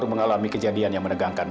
enggak dia ini